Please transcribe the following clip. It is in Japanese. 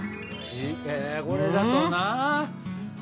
えこれだとな。